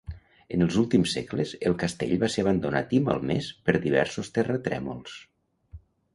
En els últims segles, el castell va ser abandonat i malmès per diversos terratrèmols.